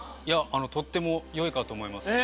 とっても良いかと思います。